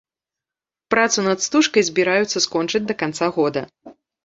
Працу над стужкай збіраюцца скончыць да канца года.